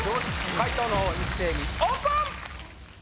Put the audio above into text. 解答の方一斉にオープン！